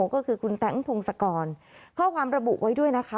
ก็คือคุณแต๊งพงศกรข้อความระบุไว้ด้วยนะคะ